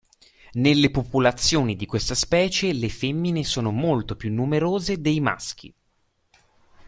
Nelle popolazioni di questa specie le femmine sono molto più numerose dei maschi.